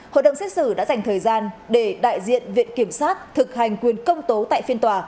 hội đồng xét xử đã dành thời gian để đại diện viện kiểm sát thực hành quyền công tổ